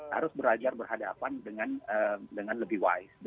harus belajar berhadapan dengan lebih wise